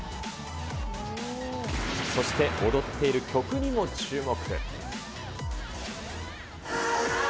そして、踊っている曲にも注目。